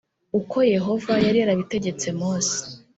ukoYehova yari yarabitegetse Mose